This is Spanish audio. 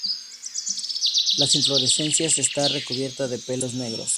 La inflorescencia está recubierta de pelos negros.